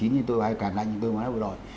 nhưng tôi ai cản lại thì tôi mới đòi